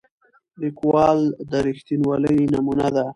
لیکوال د رښتینولۍ نمونه ده.